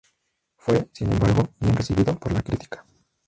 Fue, sin embargo, bien recibido por la crítica.